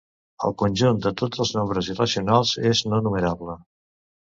El conjunt de tots els nombres irracionals és no numerable.